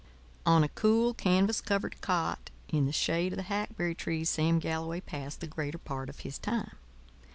On a cool, canvas covered cot in the shade of the hackberry trees Sam Galloway passed the greater part of his time.